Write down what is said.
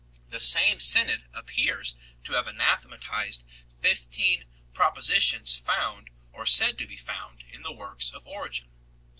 The same synod appears to have anathematized fifteen propositions found, or said to be found, in the works of Origen 6